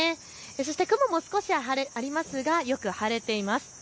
そして雲も少しありますがよく晴れています。